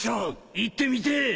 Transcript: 行ってみてえ！